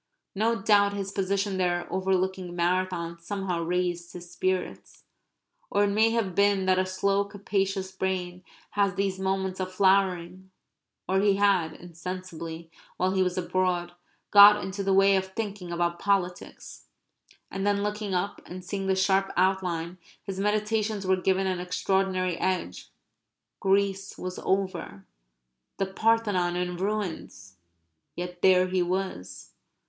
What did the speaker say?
No doubt his position there overlooking Marathon somehow raised his spirits. Or it may have been that a slow capacious brain has these moments of flowering. Or he had, insensibly, while he was abroad, got into the way of thinking about politics. And then looking up and seeing the sharp outline, his meditations were given an extraordinary edge; Greece was over; the Parthenon in ruins; yet there he was.